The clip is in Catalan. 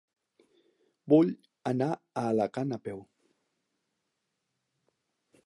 Vull anar a Alacant a peu.